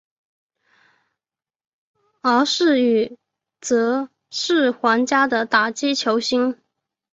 而与则是皇家的打击球星。